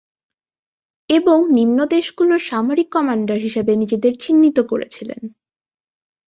এবং নিম্ন দেশগুলোর সামরিক কমান্ডার হিসাবে নিজেদের চিহ্নিত করেছিলেন।